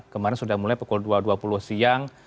kemarin sudah mulai pukul dua dua puluh siang